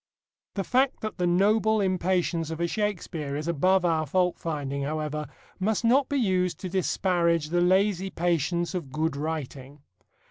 The fact that the noble impatience of a Shakespeare is above our fault finding, however, must not be used to disparage the lazy patience of good writing.